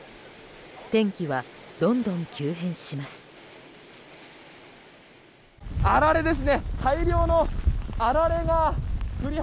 天気はどんどん急変します。